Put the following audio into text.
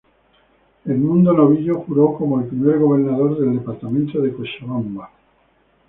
Edmundo Novillo juró como el primer Gobernador del departamento de Cochabamba.